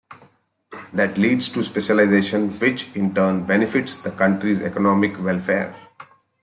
That leads to specialization, which in turn benefits the country's economic welfare.